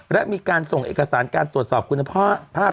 และมีการส่งเอกสารการตรวจสอบคุณภาพภาพ